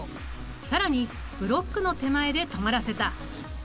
更にブロックの手前で止まらせた。